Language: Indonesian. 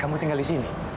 kamu tinggal di sini